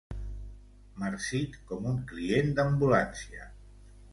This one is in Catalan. Marcit com un client d'ambulància.